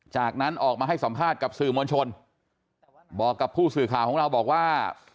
จากนั้นออกมาให้สัมภาษณ์กับสื่อมวลชนบอกกับผู้สื่อข่าวของเราบอกว่า